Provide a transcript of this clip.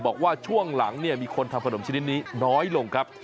บอกว่าช่วงหลังเนี่ยมีคนทำขนมชนิดนี้น้อยลงครับ